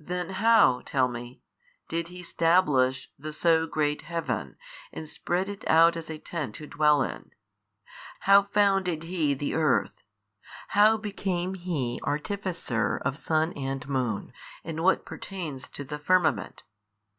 Then how (tell me) did He stablish the so great Heaven and spread it out as a tent to dwell in, how founded He the earth, how became He Artificer of sun and moon and what pertains to the firmament?